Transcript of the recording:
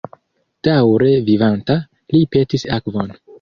Daŭre vivanta, li petis akvon.